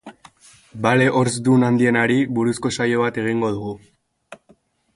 Bale horzdun handienari buruzko saio bat egingo dugu.